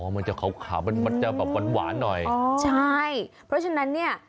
มันจะขาวขาวมันมันจะแบบหวานหวานหน่อยอ๋อใช่เพราะฉะนั้นเนี่ย